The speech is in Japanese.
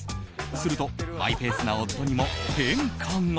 するとマイペースな夫にも変化が。